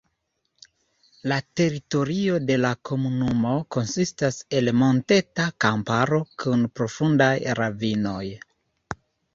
La teritorio de la komunumo konsistas el monteta kamparo kun profundaj ravinoj.